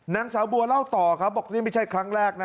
นางสาวบัวเล่าต่อครับบอกนี่ไม่ใช่ครั้งแรกนะ